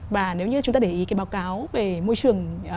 và nếu như chúng ta để ý cái báo cáo về môi trường